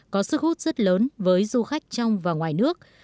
có sức hút rất lớn với du khách trong và ngoài nước